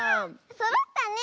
そろったね！